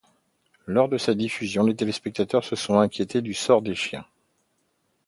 Lors de sa diffusion, des téléspectateurs se sont inquiété du sort des chiens.